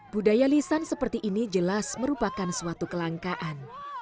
budaya lisan seperti ini jelas merupakan suatu kelangkaan